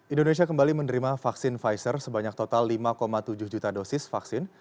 indonesia kembali menerima vaksin pfizer sebanyak total lima tujuh juta dosis vaksin